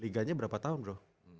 liganya berapa tahun bro